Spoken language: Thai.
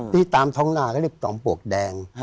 ที่ตามท้องนาก็เรียกจอมปลวกแดง